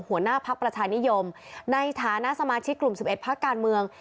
หัวหน้าภักดิ์ประชานิยมในฐานะสมาชิกกลุ่ม๑๑พักการเมือง